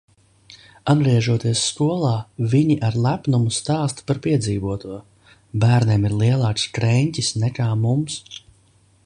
Atgriežoties skolā, viņi ar lepnumu stāsta par piedzīvoto. Bērniem ir lielāks kreņķis nekā mums.